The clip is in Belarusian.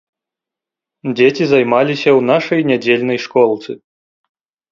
Дзеці займаліся ў нашай нядзельнай школцы.